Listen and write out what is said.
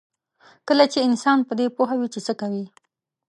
کله چې انسان په دې پوه وي چې څه کوي.